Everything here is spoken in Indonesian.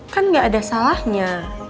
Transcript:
kan gak ada salahnya